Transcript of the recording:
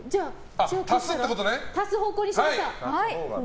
足す方向にしました。